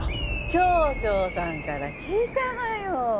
町長さんから聞いたがよ